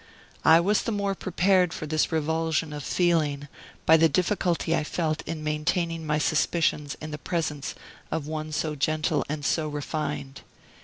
I was the more prepared for this revulsion of feeling, by the difficulty I felt in maintaining my suspicions in the presence of one so gentle and so refined.